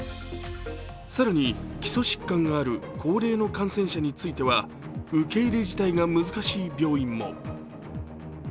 更に、基礎疾患がある高齢の感染者については受け入れ自体が難しい病院も。